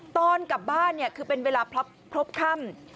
ตอนกลับบ้านคือเป็นเวลาพรบค่ำ